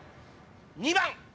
２番！